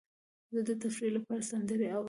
زه د تفریح لپاره سندرې اورم.